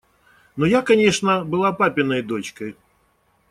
Но я, конечно, была папиной дочкой.